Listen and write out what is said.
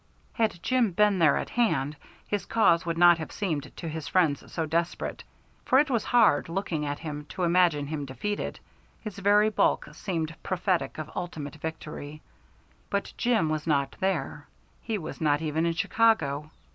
Had Jim been there at hand, his cause would not have seemed to his friends so desperate, for it was hard, looking at him, to imagine him defeated; his very bulk seemed prophetic of ultimate victory. But Jim was not there; he was not even in Chicago.